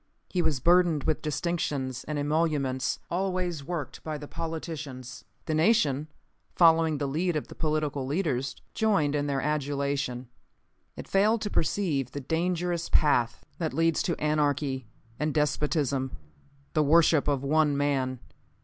He was burdened with distinctions and emoluments, always worked by the politicians, for their benefit. The nation, following the lead of the political leaders, joined in their adulation. It failed to perceive the dangerous path that leads to anarchy and despotism the worship of one man.